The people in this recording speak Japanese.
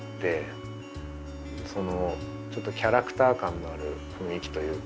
ちょっとキャラクター感のある雰囲気というか。